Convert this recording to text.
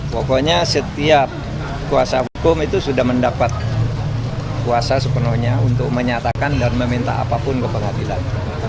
pokoknya setiap kuasa hukum itu sudah mendapat kuasa sepenuhnya untuk menyatakan dan meminta apapun ke pengadilan